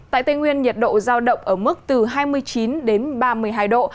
tại tây nguyên nhiệt độ giao động ở mức từ hai mươi chín đến ba mươi hai độ